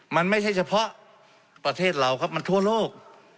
มันไม่ใช่เฉพาะประเทศเราครับมันทั่วโลก